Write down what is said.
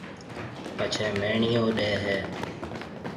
پڇيَ ميڻيو ڏَي ھيََََ